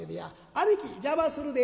あねき邪魔するで」。